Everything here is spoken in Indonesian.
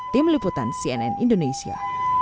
tim liputan cnn indonesia